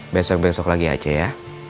besok besok lagi aceh ya